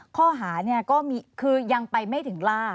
ข้อหาเนี่ยก็คือยังไปไม่ถึงล่า